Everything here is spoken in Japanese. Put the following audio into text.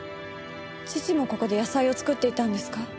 父もここで野菜を作っていたんですか？